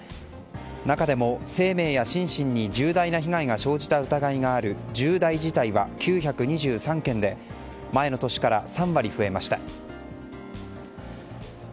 中でも生命や心身に重大な被害が生じた疑いのある重大事態は９２３件で前の年から３割増えました。